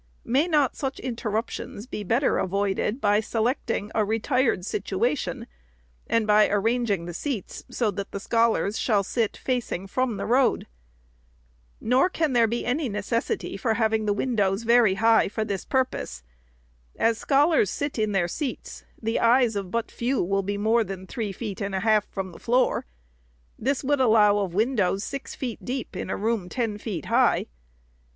May not such interrup tions be better avoided by selecting a retired situation, and by arranging the seats, so that the scholars shall sit facing from the road ? Nor can there be any necessity for having the windows very high for this purpose. As scholars sit in their seats, the eyes of but few will be more than three feet and a half from the floor. This would allow of windows six feet deep in a room ten feet high.